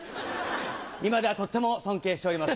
今ではとっても尊敬しております。